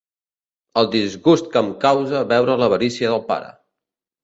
El disgust que em causa veure l'avarícia del pare!